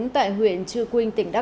tại huyện chư quy